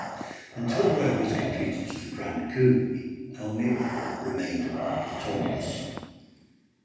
Until the road was completed to the Grand Coulee Almira remained the terminus.